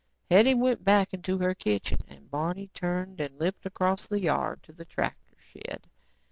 Hetty went back into her kitchen and Barney turned and limped across the yard to the tractor shed.